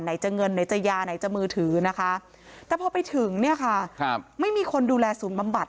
ไหนจะเงินไหนจะยาไหนจะมือถือแต่พอไปถึงไม่มีคนดูแลศูนย์บำบัด